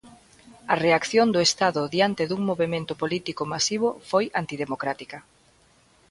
A reacción do Estado diante dun movemento político masivo foi antidemocrática.